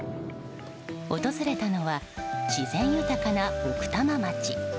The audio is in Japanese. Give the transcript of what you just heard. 訪れたのは、自然豊かな奥多摩町。